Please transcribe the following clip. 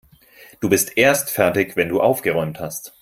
Du bist erst fertig, wenn du aufgeräumt hast.